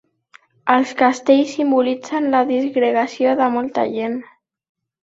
Els castells simbolitzen la disgregació de molta gent.